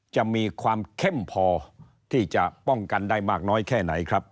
จะมีความเข้มพอที่จะป้องกันได้มากน้อยแค่ไหนครับ